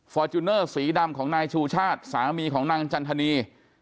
จูเนอร์สีดำของนายชูชาติสามีของนางจันทนี